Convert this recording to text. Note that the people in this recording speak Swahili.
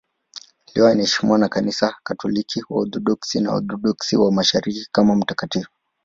Leo anaheshimiwa na Kanisa Katoliki, Waorthodoksi na Waorthodoksi wa Mashariki kama mtakatifu.